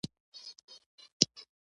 ډاکترانو هم ماته یو جدي خبرداری راکړ